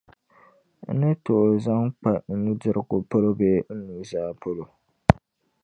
n-ni tooi zaŋ kpa n nudirigu polo bee n nuzaa polo.